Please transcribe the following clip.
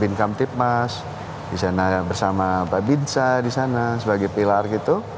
bin kamtipmas di sana bersama pak binsa di sana sebagai pilar gitu